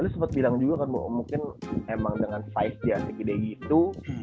lu sempat bilang juga kan mungkin emang dengan size dia segede gitu